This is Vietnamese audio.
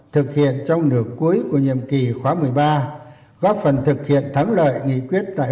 thực hiện trong nửa cuối của nhiệm kỳ khóa một mươi ba góp phần thực hiện thắng lợi nghị quyết đại hội một mươi ba của đảng